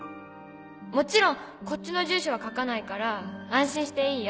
「もちろんこっちの住所は書かないから安心していいよ。